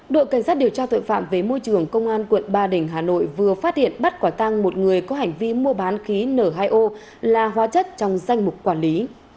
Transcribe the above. đội cảnh sát điều tra tội phạm về môi trường công an quận ba đình hà nội vừa phát hiện bắt quả tăng một người có hành vi mua bán khí n hai o là hóa chất trong danh mục quản lý